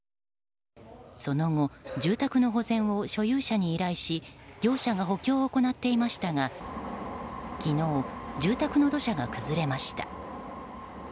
その後、住宅の保全を所有者に依頼し業者が補強を行っていましたが昨日、住宅の土砂が崩れました。